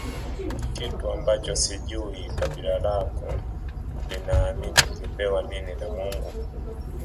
Kitu ambacho sijui kabila lako linaamini lilipewa nini na Mungu